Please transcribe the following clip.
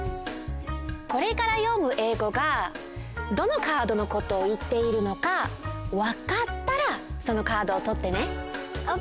これからよむえいごがどのカードのことをいっているのかわかったらそのカードをとってね。